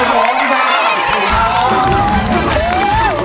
ร้องให้ด้วยบาง